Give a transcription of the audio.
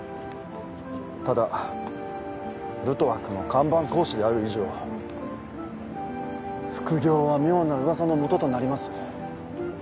ただルトワックの看板講師である以上副業は妙な噂のもととなります。